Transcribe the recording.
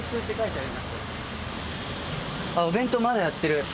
あ、お弁当、まだやってる。